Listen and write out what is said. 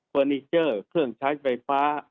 นิเจอร์เครื่องใช้ไฟฟ้า